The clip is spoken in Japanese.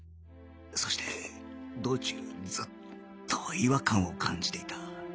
そして道中ずっと違和感を感じていた